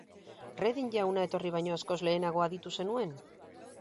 Redding jauna etorri baino askoz lehenago aditu zenuen?